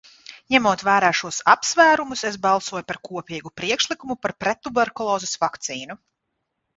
Ņemot vērā šos apsvērumus, es balsoju par kopīgu priekšlikumu par prettuberkulozes vakcīnu.